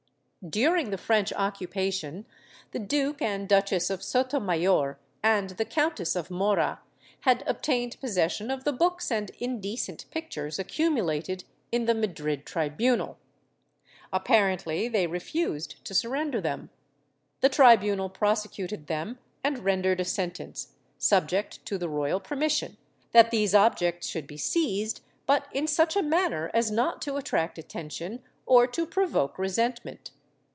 During the French occupation the Duke and Duchess of Sotomayor and the Countess of Mora had obtained possession of the books and indecent pictures accumulated in the Madrid tribunal. Apparently they refused to surrender them ; the tribunal prosecytted them and rendered a sentence, subject to the royal permission, that these objects should be seized, but in such a manner as not to attract attention or to provoke resentment.